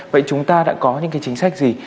vậy chúng ta đã có những chính sách gì